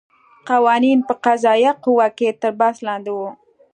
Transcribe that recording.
قوانین په قضایه قوه کې تر بحث لاندې وو.